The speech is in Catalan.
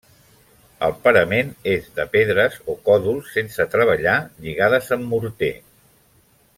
El parament és de pedres o còdols sense treballar lligades amb morter.